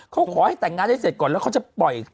เขาขอให้แต่งงานให้เสร็จก่อนแล้วเขาจะปล่อย